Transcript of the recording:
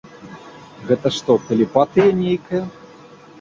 Гэта што, тэлепатыя нейкая?